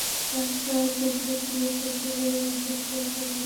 কাক তার বুদ্ধী দিয়ে, সে চড়ুইয়ের বাসাতেই তার ডিম লুকিয়ে রাখে।